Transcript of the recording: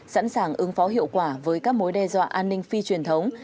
sẵn sàng ứng phó hiệu quả với các mối đe dọa an ninh phi truyền thống